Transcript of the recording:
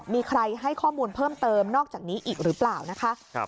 มีใครให้ข้อมูลเพิ่มเติมนอกจากนี้อีกหรือเปล่านะคะ